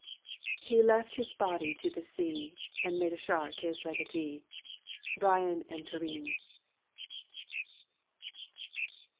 "He left his body to the sea, And made a shark his legatee." BRYAN AND PERENNE.